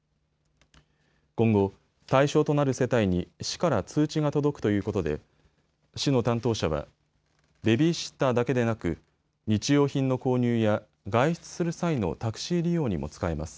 今後、対象となる世帯に市から通知が届くということで市の担当者はベビーシッターだけでなく日用品の購入や外出する際のタクシー利用にも使えます。